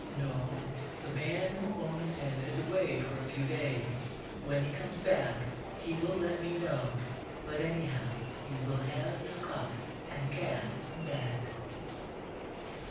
"No, the man who owns him is away for a few days. When he comes back he will let me know. But, anyhow, you will have your cup and cat back."